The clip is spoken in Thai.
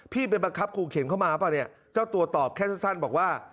ไปบังคับครูเข็มเข้ามาป่ะเนี่ยเจ้าตัวตอบแค่สั้นบอกว่า